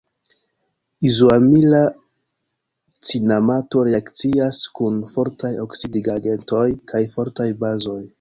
Izoamila cinamato reakcias kun fortaj oksidigagentoj kaj fortaj bazoj.